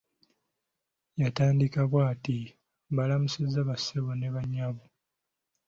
Yatandika bw'ati:"mbalamusiza bassebo ne banyabo"